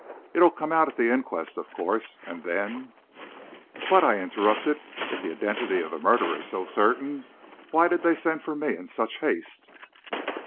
It'll come out at the inquest, of course, and then " "But," I interrupted, "if the identity of the murderer is so certain, why did they send for me in such haste?"